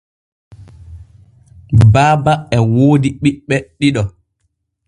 Baaba e woodi ɓiɓɓe ɗiɗo.